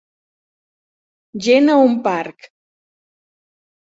Gent a un parc